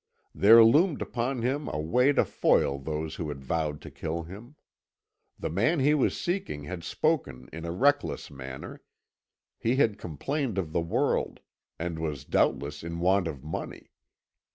There loomed upon him a way to foil those who had vowed to kill him. The man he was seeking had spoken in a reckless manner; he had complained of the world, and was doubtless in want of money.